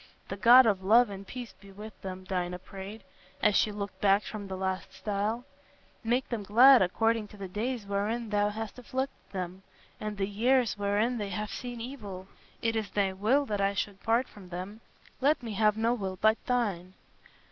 "The God of love and peace be with them," Dinah prayed, as she looked back from the last stile. "Make them glad according to the days wherein thou hast afflicted them, and the years wherein they have seen evil. It is thy will that I should part from them; let me have no will but thine."